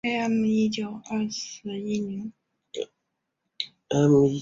血型的遗传一般遵守孟德尔定律。